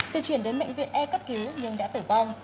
được chuyển đến bệnh viện e cấp cứu nhưng đã tử vong